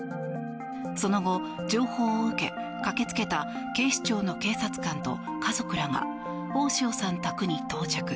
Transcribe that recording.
その後、情報を受け駆けつけた警視庁の警察官と家族らが大塩さん宅に到着。